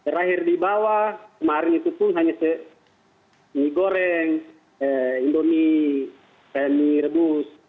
terakhir di bawah kemarin itu pun hanya mie goreng indomie mie rebus